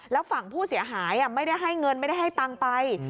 แล้วฝั่งผู้เสียหายไม่ได้ให้เงินไม่ได้ให้ตังค์ไป